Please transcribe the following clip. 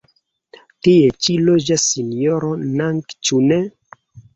Tie ĉi loĝas Sinjoro Nang, ĉu ne?